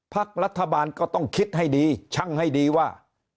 พักรัฐบาลก็ต้องคิดให้ดีช่างให้ดีว่า